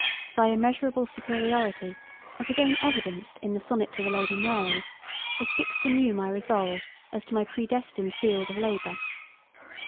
Thy immeasurable superiority, as again evidenced in the sonnet to the Lady Mary, has fixed anew my resolve as to my predestined field of labor.